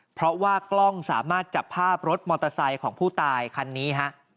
เพราะว่ากล้องสามารถจับภาพรถมอเตอร์ไซค์ของผู้ตายคันนี้ฮะ